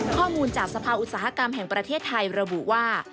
ข้อมูลจากสภาอุตสาหกรรมแห่งประเทศไทยระบุว่า